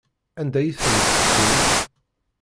Anda i tent-tettumt?